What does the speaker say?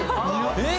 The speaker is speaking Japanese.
えっ？